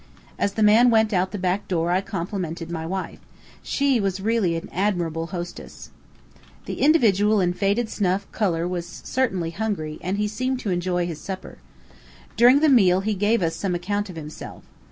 As the man went out the back door I complimented my wife. She was really an admirable hostess. The individual in faded snuff color was certainly hungry, and he seemed to enjoy his supper. During the meal he gave us some account of himself.